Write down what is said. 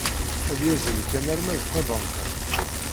Ad yazzel kan arma d tabanka.